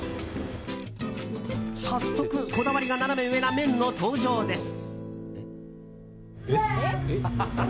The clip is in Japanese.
早速、こだわりがナナメ上な麺の登場です。